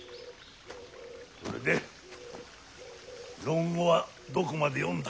それで「論語」はどこまで読んだ？